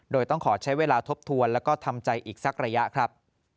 โดยต้องขอใช้เวลาทบทวนแล้วก็ทำใจอีกสักระยะครับ